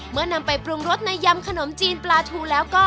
นำไปปรุงรสในยำขนมจีนปลาทูแล้วก็